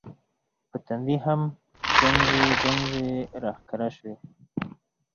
په تندي هم ګونځې ګونځې راښکاره شوې